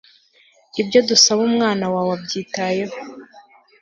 ibyo dusab'umwana waw'abyiteho